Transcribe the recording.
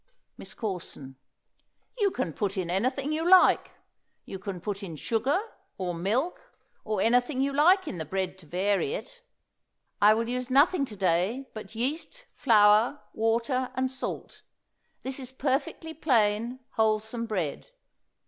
MISS CORSON. You can put in anything you like. You can put sugar, or milk, or anything you like in the bread to vary it. I will use nothing to day but yeast, flour, water, and salt. This is perfectly plain, wholesome bread.